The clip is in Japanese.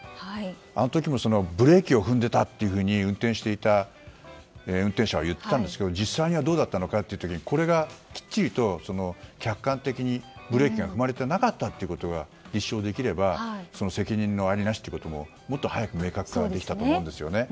あの時もブレーキを踏んでいたと運転していた運転者は言っていたんですけども実際にはどうだったのかがこれがきっちりと客観的にブレーキ踏まれてなかったことが立証できれば責任のありなしということももっと早く明確化できたと思うんですよね。